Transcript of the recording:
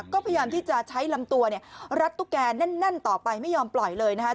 ก็พยายามที่จะใช้ลำตัวเนี่ยรัดตุ๊กแกแน่นต่อไปไม่ยอมปล่อยเลยนะคะ